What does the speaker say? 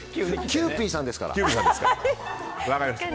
キユーピーさんですから。